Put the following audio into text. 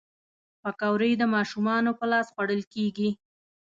پکورې د ماشومانو په لاس خوړل کېږي